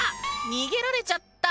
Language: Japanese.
逃げられちゃった！